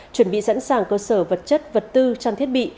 chuẩn bị sẵn sàng cơ sở vật chất vật tư trang thiết bị